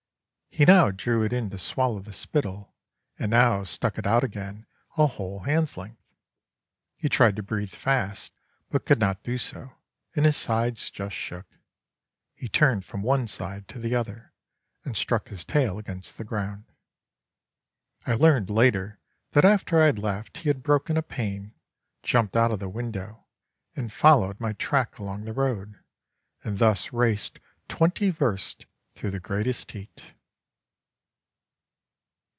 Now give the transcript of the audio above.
He now drew it in to swallow the spittle, and now stuck it out again a whole hand's length. He tried to breathe fast, but could not do so, and his sides just shook. He turned from one side to the other, and struck his tail against the ground. I learned later that after I had left he had broken a pane, jumped out of the window, and followed my track along the road, and thus raced twenty versts through the greatest heat.